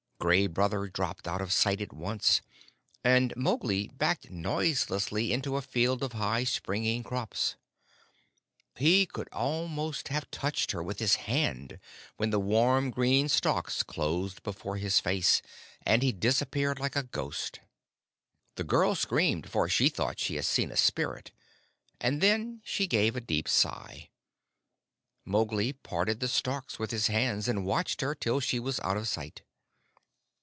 Gray Brother dropped out of sight at once, and Mowgli backed noiselessly into a field of high springing crops. He could almost have touched her with his hand when the warm, green stalks closed before his face and he disappeared like a ghost. The girl screamed, for she thought she had seen a spirit, and then she gave a deep sigh. Mowgli parted the stalks with his hands and watched her till she was out of sight.